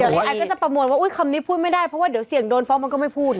ไอซก็จะประมวลว่าคำนี้พูดไม่ได้เพราะว่าเดี๋ยวเสี่ยงโดนฟ้องมันก็ไม่พูด